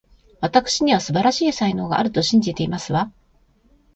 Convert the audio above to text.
わたくしには、素晴らしい才能があると信じていますわ